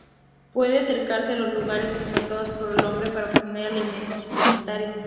Puede acercarse a los lugares frecuentados por el hombre para obtener alimento suplementario.